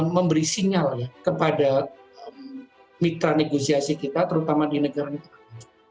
memberi sinyal ya kepada mitra negosiasi kita terutama di negara negara